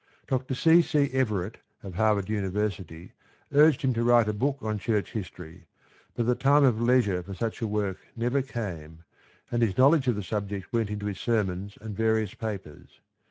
Dr. C. C. Everett of Harvard University urged him to write a book on church history, but the time of leisure for such a work never came and his knowledge of the subject went into his sermons and various papers.